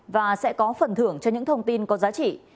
và sẽ có phần thưởng cho những thông tin có giá trị